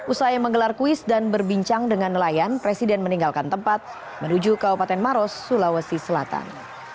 usai menggelar kuis dan berbincang dengan nelayan presiden meninggalkan tempat menuju kabupaten maros sulawesi selatan